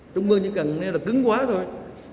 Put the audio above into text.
trung ương chỉ cần nếu là cứng quá thôi